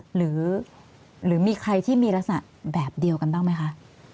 หรือมีใครที่มีลักษณะแบบเดียวกันบ้างไหมคะ